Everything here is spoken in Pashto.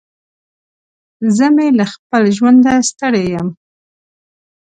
زه مې له خپل ژونده ستړی يم.